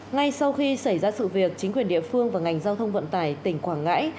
ngay sau khi xảy ra sự việc chính quyền địa phương và ngành giao thông vận tải tỉnh quảng ngãi